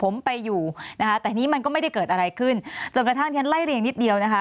ไม่ได้เกิดอะไรขึ้นจนกระทั่งที่นั้นไล่เรียนนิดเดียวนะคะ